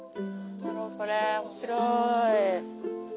これ面白い。